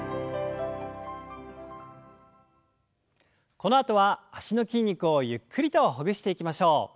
このあとは脚の筋肉をゆっくりとほぐしていきましょう。